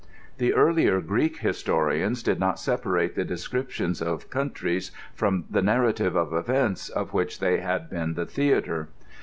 The earlier Greek his torians did not separate the descriptions of countries from the liarrative of events of which they had been the theater.